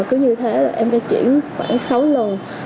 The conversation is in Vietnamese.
cứ như thế em phải chuyển khoảng sáu lần cho số tài khoản lên nhật dư